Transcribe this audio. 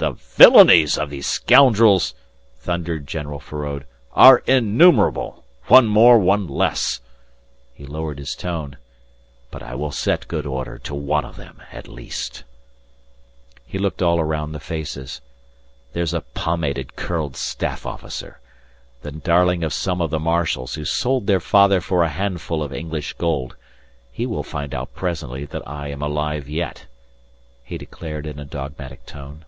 "The villainies of these scoundrels," thundered General Feraud, "are innumerable. One more, one less!..." He lowered his tone. "But I will set good order to one of them at least." He looked all round the faces. "There's a pomaded curled staff officer, the darling of some of the marshals who sold their father for a handful of English gold. He will find out presently that I am alive yet," he declared in a dogmatic tone....